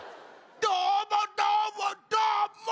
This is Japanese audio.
どーもどーもどーも！